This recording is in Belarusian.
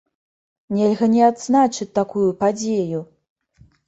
Нельга не адзначыць такую падзею!